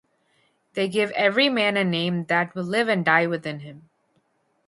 They give every man a name that will live and die with him.